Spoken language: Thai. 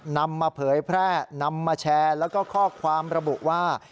นำมาเผยแพร่นำมาแชร์แล้วก็ข้อความระบุว่า